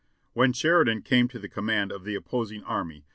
"When Sheridan came to the command of the opposing army.